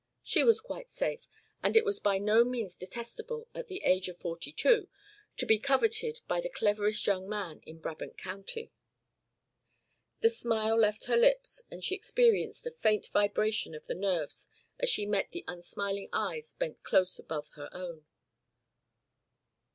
She was quite safe, and it was by no means detestable at the age of forty two to be coveted by the cleverest young man in Brabant County. The smile left her lips and she experienced a faint vibration of the nerves as she met the unsmiling eyes bent close above her own.